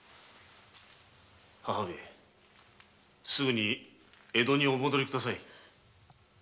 母上すぐに江戸にお戻りください。